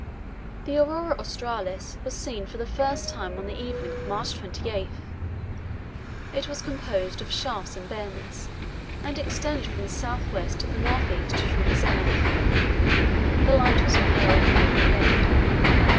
The aurora australis was seen for the first time on the evening of March 28. It was composed of shafts and bands, and extended from the south west to the north east through the zenith. The light was pale green and red.